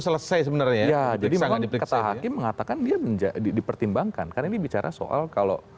lain jadi memang kata hakim mengatakan dia dipertimbangkan karena ini bicara soal kalau